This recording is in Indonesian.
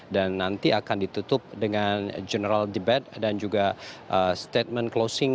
dan nanti akan ditutup dengan general debate dan juga statement closing